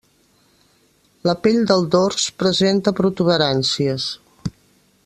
La pell del dors presenta protuberàncies.